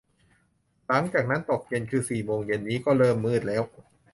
หลังจากนั้นตกเย็น คือสี่โมงเย็นนี้ก็เริ่มมืดแล้ว